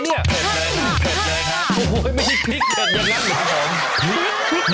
เหมือนกันนะเนี่ยเผ็ดเลยค่ะ